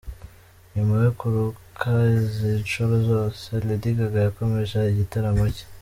Nyuma yo kuruka izi nshuro zose, Lady Gaga yakomeje igitaramo cye.